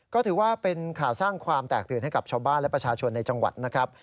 ก็ถือว่าเป็นข่าวสร้างความแตกตื่นให้กับชาวบ้านและประชาชนในจังหวัดนะครับ